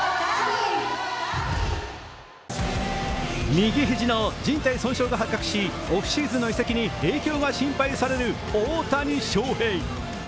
右肘のじん帯損傷が発覚しオフシーズンの移籍に影響が心配される大谷翔平。